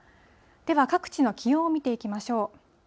では各地の気温を見ていきましょう。